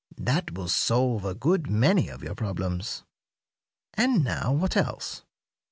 That will solve a good many of your problems. And now, what else?"